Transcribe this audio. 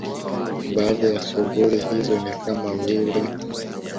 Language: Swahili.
Baadhi ya shughuli hizo ni kama vile